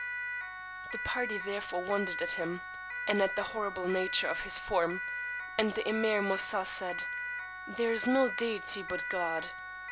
] The party therefore wondered at him, and at the horrible nature of his form; and the Emeer Moosà said, There is no deity but God!